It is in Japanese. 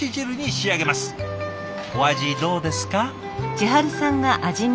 お味どうですか？